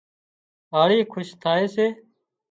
هاۯي کُش ٿائي سي